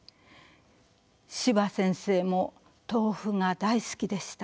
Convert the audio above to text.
司馬先生も豆腐が大好きでした。